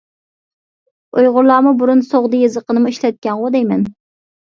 ئۇيغۇرلارمۇ بۇرۇن سوغدى يېزىقىنىمۇ ئىشلەتكەنغۇ دەيمەن.